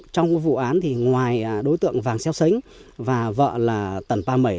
trong vụ án thì ngoài đối tượng vàng xeo xánh và vợ là tần pa mẩy